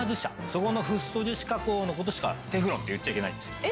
そこのフッ素樹脂加工の事しか「テフロン」って言っちゃいけないんです。